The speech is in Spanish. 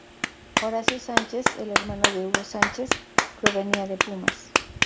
Horacio Sánchez- el hermano de Hugo Sánchez, provenía de Pumas.